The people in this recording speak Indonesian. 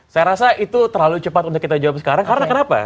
saya rasa itu terlalu cepat untuk kita jawab sekarang karena kenapa